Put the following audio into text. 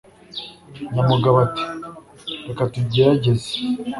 Nyamugabo ati. reka tugerageze ,